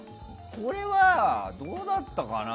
これはどうだったかな。